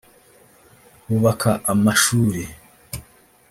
bubaka amashuri